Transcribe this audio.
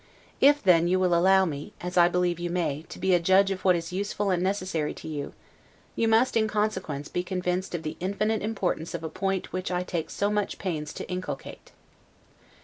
If then you will allow me, as I believe you may, to be a judge of what is useful and necessary to you, you must, in consequence, be convinced of the infinite importance of a point which I take so much pains to inculcate.